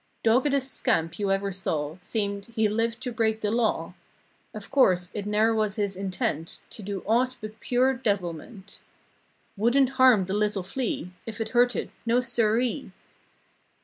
Doggedest scamp you ever saw; Seemed, he lived to break the law. Of course it ne'er was his intent To do aught but pure devilment. Wouldn't harm the little flea If it hurt it—no sir—ee!